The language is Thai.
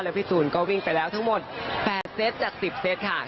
พี่ตูนก็วิ่งไปแล้วทั้งหมด๘เซตจาก๑๐เซตค่ะ